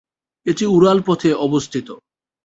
এটি উড়াল পথে অবস্থিত।